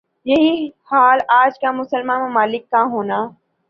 یہی حال آج کا مسلمان ممالک کا ہونا